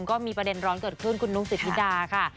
ก็มีประเด็นร้อนเกิดขึ้นคุณนุกสิทธิดาค่ะ